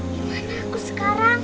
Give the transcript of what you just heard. dimana aku sekarang